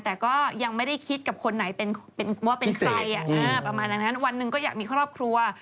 แต่ก็ยังไม่ได้คิดกับคนไหนว่าเป็นใครประมาณอย่างนั้นวันหนึ่งก็อยากมีครอบครัว